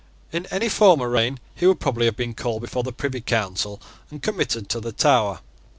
In any former reign he would probably have been called before the Privy Council and committed to the Tower.